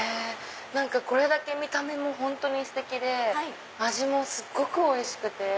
これだけ見た目も本当ステキで味もすっごくおいしくて。